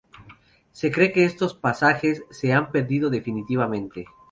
Se cree que estos pasajes se han perdido definitivamente.